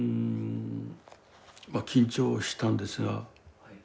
ま緊張したんですが。